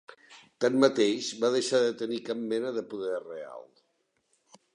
Tanmateix va deixar de tenir cap mena de poder real.